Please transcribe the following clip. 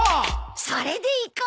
それでいこう！